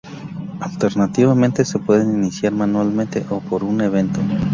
Alternativamente, se pueden iniciar manualmente o por un evento.